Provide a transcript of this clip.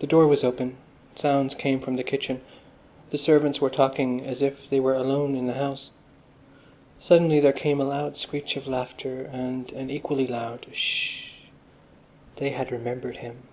The door was open; sounds came from the kitchen. The servants were talking as if they were alone in the house. Suddenly there came a loud screech of laughter and an equally loud "Sh!" They had remembered him.